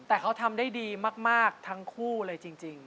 แต่เขาทำได้ดีมากทั้งคู่เลยจริง